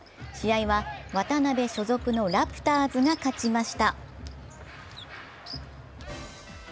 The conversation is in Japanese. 試合は渡邊所属のラプターズが勝ちました。